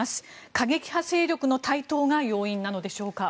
過激派勢力の台頭が要因なのでしょうか。